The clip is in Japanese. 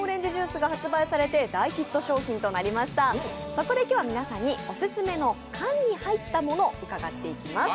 そこで、今日は皆さんにオススメの缶に入ったものを伺っていきます。